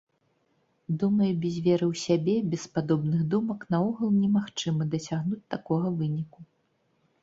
Думаю, без веры ў сябе, без падобных думак наогул немагчыма дасягнуць такога выніку.